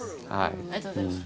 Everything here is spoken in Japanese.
ありがとうございます。